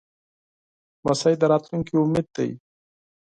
لمسی د راتلونکي امید دی.